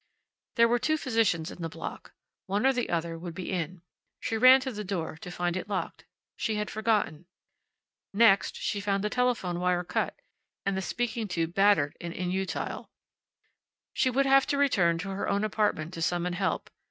There were two physicians in the block; one or the other would be in. She ran to the door, to find it locked. She had forgotten. Next she found the telephone wire cut and the speaking tube battered and inutile. She would have to return to her own apartment to summon help.